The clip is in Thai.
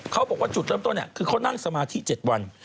เขาบอกว่าจุดเริ่มต้นคือเขานั่งสมาธิ๗วัน